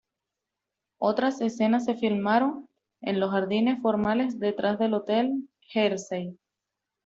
Otras escenas se filmaron en los jardines formales detrás del Hotel Hershey.